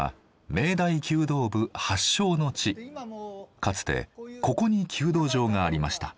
かつてここに弓道場がありました。